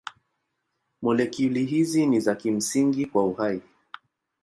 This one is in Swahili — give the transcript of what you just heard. Molekuli hizi ni za kimsingi kwa uhai.